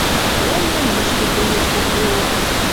Ломбы лишкӹ толеш юкдеок.